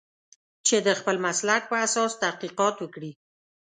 چې د خپل مسلک په اساس تحقیقات وکړي.